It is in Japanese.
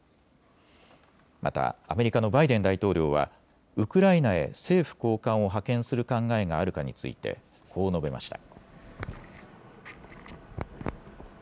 またアメリカのバイデン大統領はウクライナへ政府高官を派遣する考えがあるかについてこう述べました。